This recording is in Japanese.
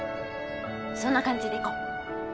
そんな感じで行こう。